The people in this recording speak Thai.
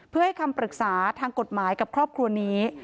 เพื่อให้คำปรึกษาทางกฎหมายกับครอบครัวนี้